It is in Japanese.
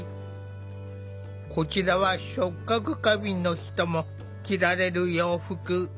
こちらは触覚過敏の人も着られる洋服。